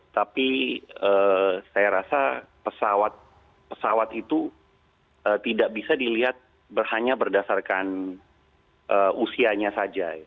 tapi saya rasa pesawat itu tidak bisa dilihat hanya berdasarkan usianya saja